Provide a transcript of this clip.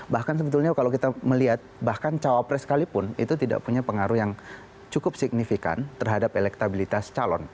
bahkan sebetulnya kalau kita melihat bahkan cawapres sekalipun itu tidak punya pengaruh yang cukup signifikan terhadap elektabilitas calon